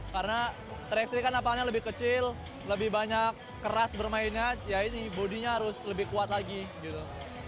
karena tiga x tiga kan napalannya lebih kecil lebih banyak keras bermainnya ya ini bodinya harus lebih kuat lagi gitu